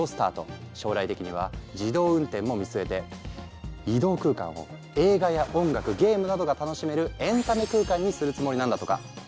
将来的には自動運転も見据えて移動空間を映画や音楽ゲームなどが楽しめるエンタメ空間にするつもりなんだとか。